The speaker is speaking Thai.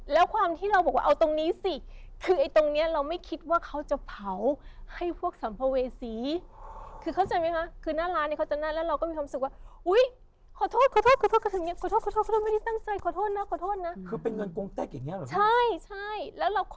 แล้วความที่เราคิดว่าใช่เราไม่คิดไงครับ